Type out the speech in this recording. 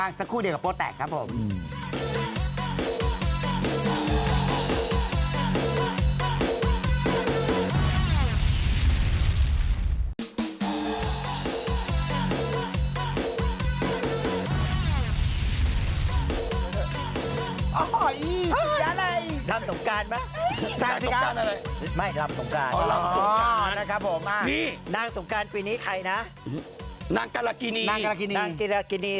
นะครับผมนี่นางสงการปีนี้ใครน่ะนางการกีนีนางกิลลากินี